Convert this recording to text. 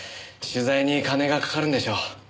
取材に金がかかるんでしょう。